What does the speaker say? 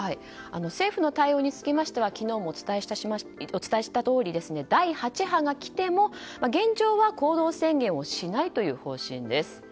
政府の対応につきましては昨日もお伝えしたとおり第８波がきても現状は行動制限をしないという方針です。